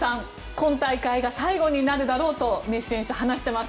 今大会が最後になるだろうとメッシ選手、話しています。